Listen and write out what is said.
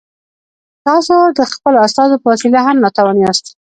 تاسو د خپلو استازو په وسیله هم ناتوان یاست.